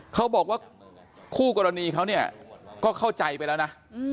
เขาบอกว่าคู่กรณีเขาเนี่ยก็เข้าใจไปแล้วนะ